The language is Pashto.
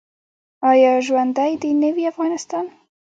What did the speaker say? آیا ژوندی دې نه وي افغانستان؟